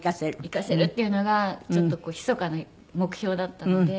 行かせるっていうのがちょっとひそかな目標だったので。